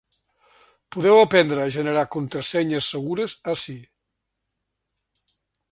Podeu aprendre a generar contrasenyes segures ací.